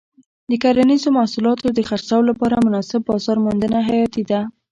د کرنیزو محصولاتو د خرڅلاو لپاره مناسب بازار موندنه حیاتي ده.